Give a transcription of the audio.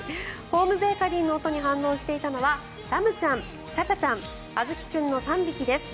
ホームベーカリーの音に反応していたのはラムちゃん、チャチャちゃんあずき君の３匹です。